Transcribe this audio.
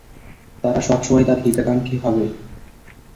তারা সব সময়ই তার হিতাকাঙ্খী হবে।